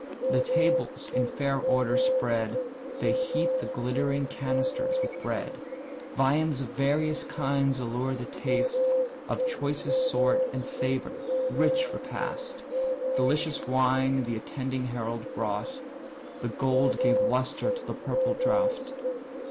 The tables in fair order spread, They heap the glittering canisters with bread: Viands of various kinds allure the taste, Of choicest sort and savour, rich repast! Delicious wines the attending herald brought; The gold gave lustre to the purple draught.